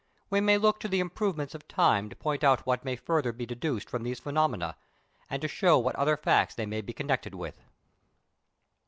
We may look to the improvements of time to point out what may further be deduced from these phenomena, and to show what other facts they may be connected with.